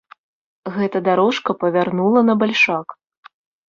Гэта дарожка павярнула на бальшак.